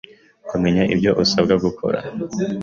kumenya ibyo usabwa gukora